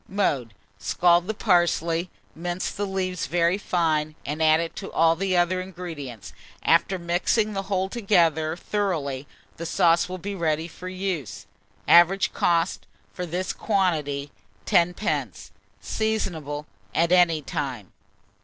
Mode. Scald the parsley, mince the leaves very fine, and add it to all the other ingredients; after mixing the whole together thoroughly, the sauce will be ready for use. Average cost, for this quantity, 10d. Seasonable at any time.